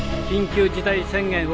緊急事態宣言。